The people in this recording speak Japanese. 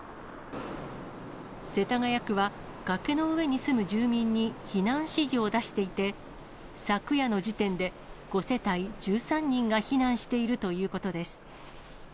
世田谷区は、崖の上に住む住民に避難指示を出していて、昨夜の時点で、５世帯１３人が避難しているということです。